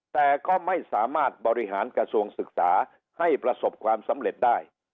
แต่ก็ไม่สามารถบริหารกระทรวงศึกษาให้ประสบความสำเร็จได้